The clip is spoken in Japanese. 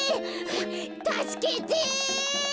たすけて！